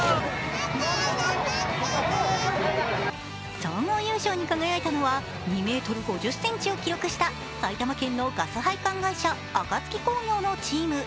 総合優勝に輝いたのは２ｍ５０ｃｍを記録した埼玉県のガス配管会社、暁興業のチーム。